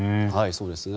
そうですね。